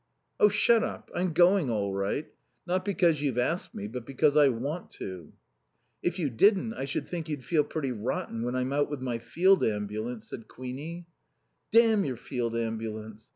"Oh, shut up. I'm going all right. Not because you've asked me, but because I want to." "If you didn't I should think you'd feel pretty rotten when I'm out with my Field Ambulance," said Queenie. "Damn your Field Ambulance!...